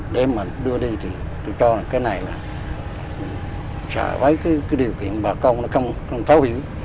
để mà đưa đi thì tôi cho là cái này là sợ với cái điều kiện bà con nó không thấu hiểu